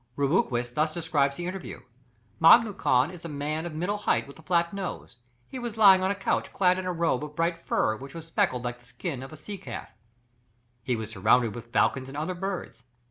Rubruquis thus describes the interview: "Mangu Khan is a man of middle height with a flat nose; he was lying on a couch clad in a robe of bright fur, which was speckled like the skin of a sea calf." He was surrounded with falcons and other birds.